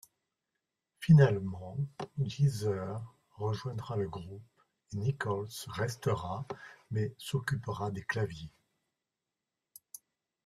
Finalement Geezer rejoindra le groupe et Nichols restera mais s'occupera des claviers.